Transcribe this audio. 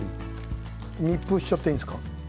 密封しちゃっていいんですか？